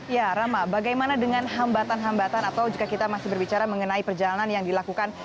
ya rama bagaimana dengan hambatan hambatan atau jika kita masih berbicara mengenai perjalanan yang dilakukan